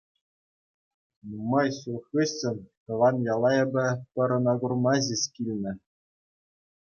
Нумай ҫул хыҫҫӑн тӑван яла эпӗ пӗр ӑна курма ҫеҫ килнӗ.